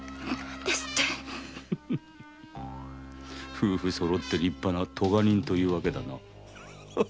夫婦そろって立派な咎人というわけだな。